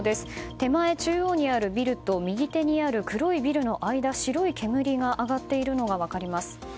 手前中央にあるビルと右手にある黒いビルの間に白い煙が上がっているのが分かります。